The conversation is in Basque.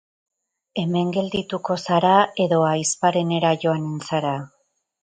Hemen geldituko zara edo ahizparenera joanen zara?